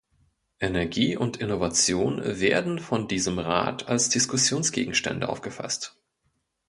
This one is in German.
Energie und Innovation werden von diesem Rat als Diskussionsgegenstände aufgefasst.